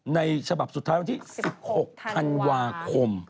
ฉบับสุดท้ายวันที่๑๖ธันวาคม